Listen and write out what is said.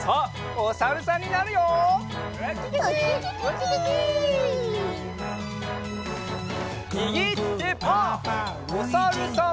おさるさん。